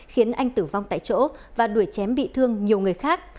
khiến anh tử vong tại chỗ và đuổi chém bị thương nhiều người khác